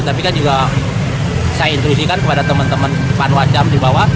tapi kan juga saya intrisikan kepada teman teman panwascam di bawah